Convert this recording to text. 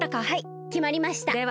はいきまりました。